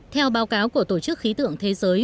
theo báo cáo của tổ chức khí tượng thế giới